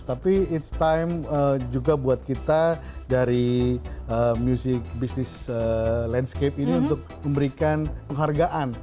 tapi it's time juga buat kita dari musik bisnis landscape ini untuk memberikan penghargaan